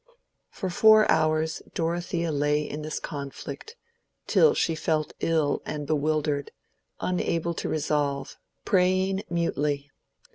For four hours Dorothea lay in this conflict, till she felt ill and bewildered, unable to resolve, praying mutely.